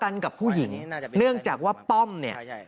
เนื่องจากว่าป้อมเนี่ย